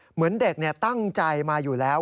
เหมือนเด็กตั้งใจมาอยู่แล้ว